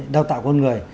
đào tạo con người